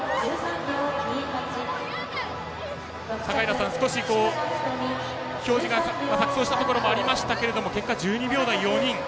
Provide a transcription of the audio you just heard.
高平さん、少し表示が錯そうしたところもありましたが結果１２秒台が４人。